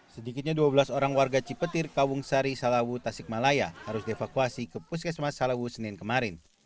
sedikitnya dua belas orang warga cipetir kawung sari salawu tasikmalaya harus dievakuasi ke puskesmas salawu senin kemarin